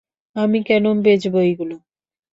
আমি কেন বেচবো এইগুলা?